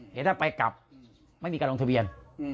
เห็นถ้าไปกลับไม่มีการลงทะเบียน